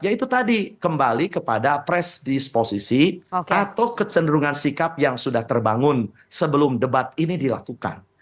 ya itu tadi kembali kepada press disposisi atau kecenderungan sikap yang sudah terbangun sebelum debat ini dilakukan